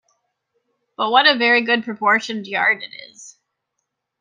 But what a very good-proportioned yard it is!